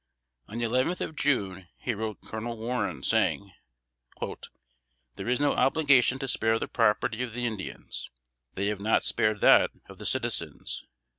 On the eleventh of June, he wrote Colonel Warren, saying, "There is no obligation to spare the property of the Indians; they have not spared that of the citizens.